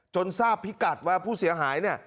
จนทราบพิกัดว่าผู้เสียหาย